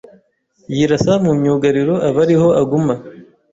yirasa mu myugariro aba ariho aguma